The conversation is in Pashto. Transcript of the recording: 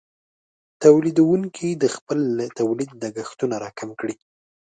تولیدونکې د خپل تولید لګښتونه راکم کړي.